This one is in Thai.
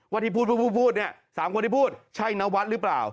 ว่าที่พูดเนี่ย๓คนที่พูดใช่นวัตต์หรือเปล่า